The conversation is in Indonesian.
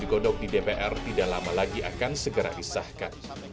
dan produk di dpr tidak lama lagi akan segera disahkan